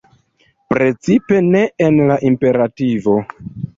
Precipe ne en la imperativo.